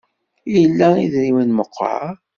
Ila idrimen meqqar?